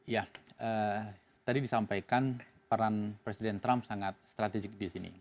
ya tadi disampaikan peran presiden trump sangat strategis disini